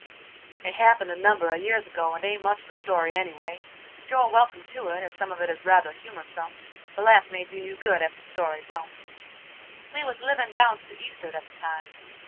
"It happened a number a years ago and ain't much of a story any way. But you're welcome to it, as some of it is rather humorsome, the laugh may do you good ef the story don't. We was livin' down to the east'ard at the time.